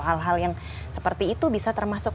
hal hal yang seperti itu bisa termasuk